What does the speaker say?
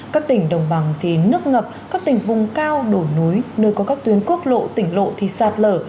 các tỉnh đồng bằng thì nước ngập các tỉnh vùng cao đổ núi nơi có các tuyến quốc lộ tỉnh lộ thì sạt lở